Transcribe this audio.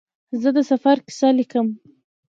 زه د سفر کیسه لیکم.